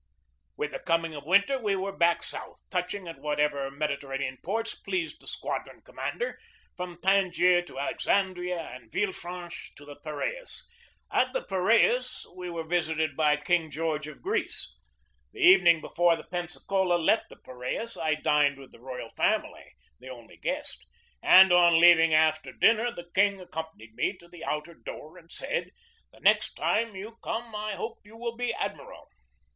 With the coming of winter we were back south, touching at whatever Mediterranean ports pleased the squadron commander, from Tangier to Alexan dria and Villefranche to the Piraeus. At the Piraeus we were visited by King George of Greece. The evening before the Pensacola left the Piraeus I dined with the royal family, the only guest, and on leav 160 GEORGE DEWEY ing after dinner the King accompanied me to the outer door and said: "The next time you come I hope you will be admiral."